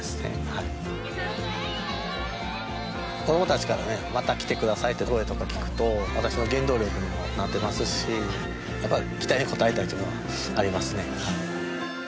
はい子供達からねまた来てくださいって声とか聞くと私の原動力にもなってますしやっぱり期待に応えたいっていうのはありますね